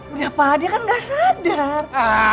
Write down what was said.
udah paha dia kan gak sadar